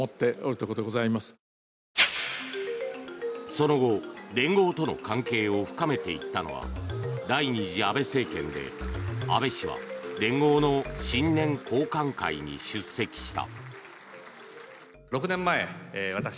その後、連合との関係を深めていったのは第２次安倍政権で安倍氏は連合の新年交歓会に出席した。